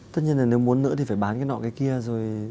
tất nhiên là nếu muốn nữa thì phải bán cái nọ cái kia rồi